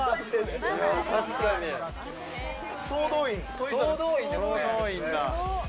総動員だ。